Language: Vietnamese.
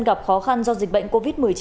gặp khó khăn do dịch bệnh covid một mươi chín